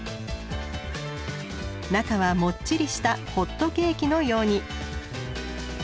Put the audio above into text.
中はもっちりしたホットケーキのように。